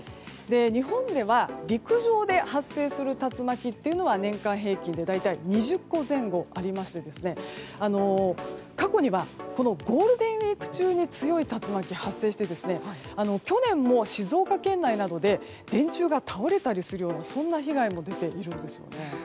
日本では陸上で発生する竜巻というのは年間平均で大体２０個前後ありまして過去にはゴールデンウィーク中に強い竜巻が発生して去年も静岡県内などで電柱が倒れたりするようなそんな被害も出ているんですよね。